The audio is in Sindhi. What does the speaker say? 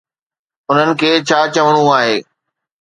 انهن کي ڇا چوڻو آهي؟